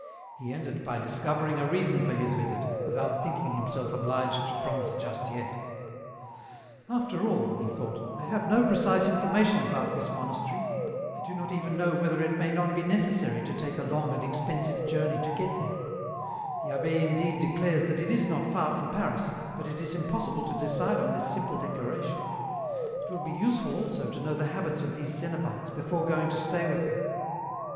He ended by discovering a reason for his visit, without thinking himself obliged to promise just yet. " After all," he thought, " I have no precise information bout this monastery ; I do not even know whether it may not be necessary to take a long and expensive journey to get there ; the abbd indeed declares that it is not far from Paris, but it is impossible to decide on this simple declara tion ; it will be useful also to know the habits of these cenobites before going to stay with them."